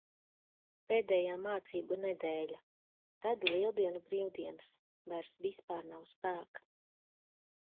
Pēdējā mācību nedēļa, tad Lieldienu brīvdienas. Vairs vispār nav spēka.